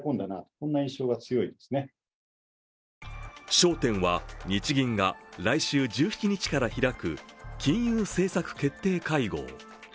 焦点は日銀が来週１７日から開く金融政策決定会合。